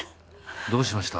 どうしました？